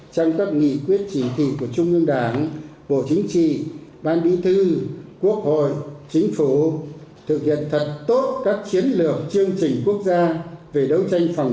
trong các nghị quyết chỉ thị của trung ương đảng bộ chính trị ban bí thư quốc hội chính phủ thực hiện thật tốt các chiến lược chương trình quốc gia về đấu tranh phòng